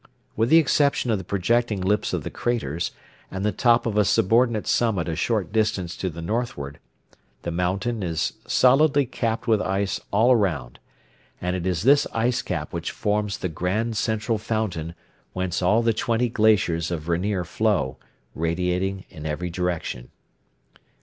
With the exception of the projecting lips of the craters and the top of a subordinate summit a short distance to the northward, the mountains is solidly capped with ice all around; and it is this ice cap which forms the grand central fountain whence all the twenty glaciers of Rainier flow, radiating in every direction.